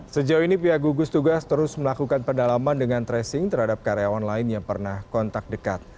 sejauh ini pihak gugus tugas terus melakukan pendalaman dengan tracing terhadap karyawan lain yang pernah kontak dekat